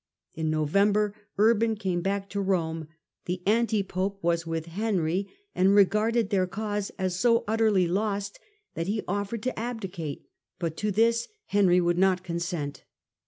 In November Urban came back to Rome ; the anti pope was with Henry, and re garded their cause as so utterly lost that he offered to abdicate, but to this Henry would not consent.